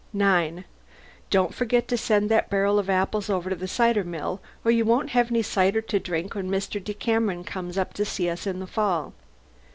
9. Don't forget to send that barrel of apples over to the cider mill or you won't have any cider to drink when Mr. Decameron comes up to see us later in the fall.